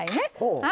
はい。